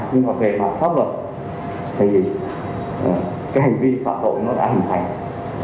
nhưng mà về mặt pháp luật thì cái hành vi phạm tội nó đã hình thành